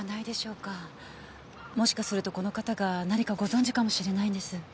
もしかするとこの方が何かご存じかもしれないんです。